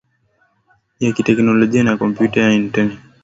ya kiteknolojia ya kompyuta na intaneti yalienea hapa